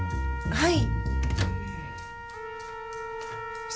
はい。